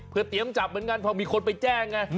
เพื่อเตรียมจับเหมือนกันพอมีคนไปแจ้งไง